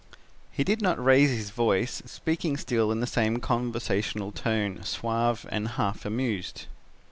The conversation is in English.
"He did not raise his voice, speaking still in the same conversational tone, suave and half amused.